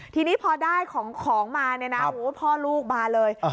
ทีนี้พอได้ของมาเนี่ยนะพ่อลูกมาเลย